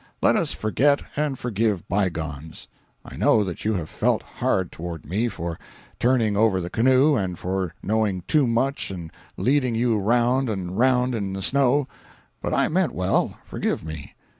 Let us forget and forgive bygones. I know that you have felt hard towards me for turning over the canoe, and for knowing too much and leading you round and round in the snow—but I meant well; forgive me.